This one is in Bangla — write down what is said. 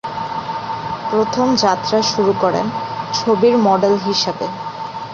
প্রথমে যাত্রা শুরু করেন ছবির মডেল হিসেবে।